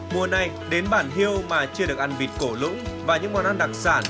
mùa này đến bản hiêu mà chưa được ăn vịt cổ lũng và những món ăn đặc sản